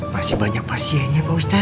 masih banyak pasiennya pak ustadz